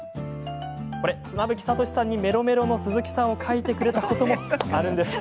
妻夫木聡さんにメロメロの鈴木さんを描いてくれたこともあるんですよ。